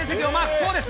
そうです。